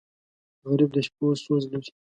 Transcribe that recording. غریب د شپو سوز لري